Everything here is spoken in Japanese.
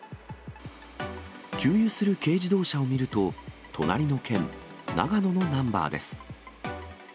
給油する軽自動車を見ると、隣の県、長野のナンバーです。